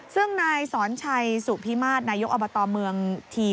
ซึ่งนายสอนชัยสุพิมาตรนายกอบตเมืองที